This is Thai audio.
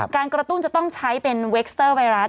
การกระตุ้นจะต้องใช้เป็นเวคเตอร์ไวรัส